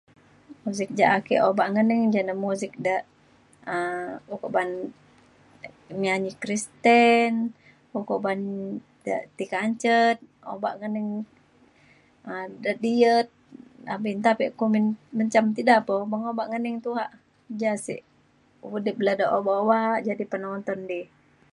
muzik ja ake obak ngening ja na muzik da um ukok ba'an nyanyi Kristen ukok ban ti kanjet obak ngening um det diet abe nta pa kumbin menjam ti da po obak ngening tuak ja sik udip le dak obak obak jadi penonton di